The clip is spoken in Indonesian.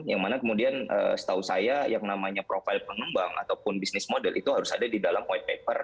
yang mana kemudian setahu saya yang namanya profil pengembang ataupun bisnis model itu harus ada di dalam white paper